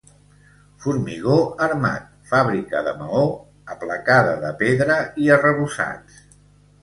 Formigó armat, fàbrica de maó, aplacada de pedra i arrebossats.